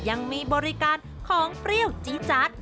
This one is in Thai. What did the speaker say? ยังมีบริการของเปรี้ยวจี๊จัด